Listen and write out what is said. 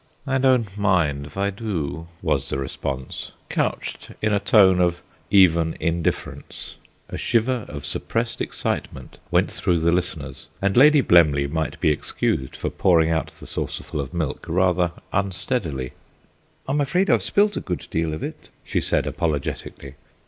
"I don't mind if I do," was the response, couched in a tone of even indifference. A shiver of suppressed excitement went through the listeners, and Lady Blemley might be excused for pouring out the saucerful of milk rather unsteadily. "I'm afraid I've spilt a good deal of it," she said apologetically.